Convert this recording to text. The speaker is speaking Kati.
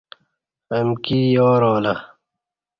امکی یارالہ